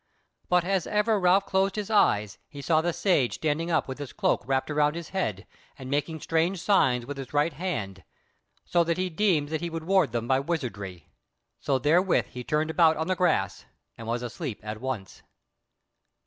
But or ever Ralph closed his eyes he saw the Sage standing up with his cloak wrapped about his head, and making strange signs with his right hand; so that he deemed that he would ward them by wizardry. So therewith he turned about on the grass and was asleep at once.